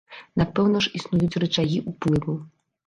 Напэўна ж існуюць рычагі ўплыву.